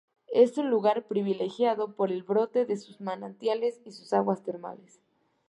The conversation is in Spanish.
Es un lugar privilegiado por el brote de sus manantiales y sus aguas termales.